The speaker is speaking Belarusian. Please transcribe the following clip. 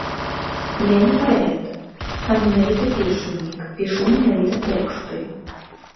Я не паэт, а менавіта песеннік, пішу менавіта тэксты.